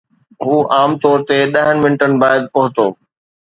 هو عام طور تي ڏهن منٽن بعد پهتو